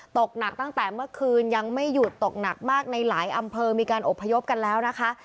ตกหนักตั้งแต่เมื่อคืนยังไม่หยุดตกหนักมากในหลายอำเภอมีการอบพยพกันแล้วนะคะ